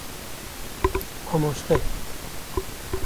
Mamoste